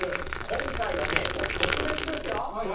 今回はねもう特別ですよ。